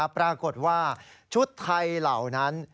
ปรากฏว่าชุดไทยเหล่านั้น